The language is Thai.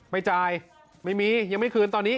ไม่จ่ายไม่มียังไม่คืนตอนนี้